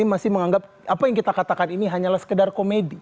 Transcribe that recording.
masih menganggap apa yang kita katakan ini hanyalah sekedar komedi